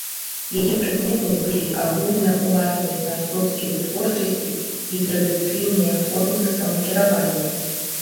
Яе прыкметамі былі агульная ўласнасць на сродкі вытворчасці і традыцыйныя формы самакіравання.